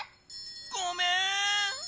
ごめん！